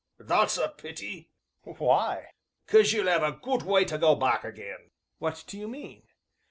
"That's a pity." "Why?" "'Cause you'll 'ave a good way to go back again." "What do you mean?"